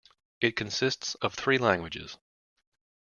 It consists of three languages.